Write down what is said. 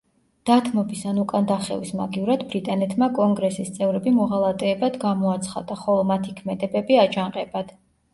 დათმობის ან უკან დახევის მაგივრად ბრიტანეთმა კონგრესის წევრები მოღალატეებად გამოაცხადა, ხოლო მათი ქმედებები აჯანყებად.